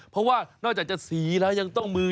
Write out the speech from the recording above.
เพราะว่านอกจากจะสีแล้วยังต้องมือ